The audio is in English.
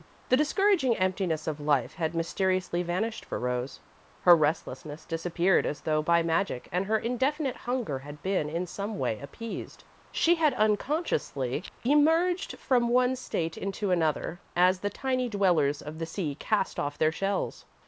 The discouraging emptiness of life had mysteriously vanished for Rose. Her restlessness disappeared as though by magic and her indefinite hunger had been, in some way, appeased. She had unconsciously emerged from one state into another, as the tiny dwellers of the sea cast off their shells.